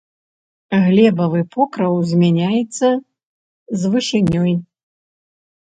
Глебавы покрыў змяняецца з вышынёй.